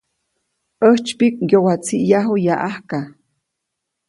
‒ʼäjtsypiʼk ŋgyowatsiʼyaju yaʼajka-.